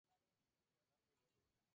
Además, en la portada de 'Jai Ho!